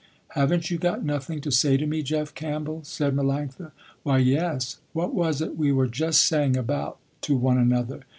"Haven't you got nothing to say to me Jeff Campbell?" said Melanctha. "Why yes, what was it we were just saying about to one another.